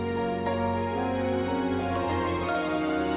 jangan lupa like subscribe dan share ya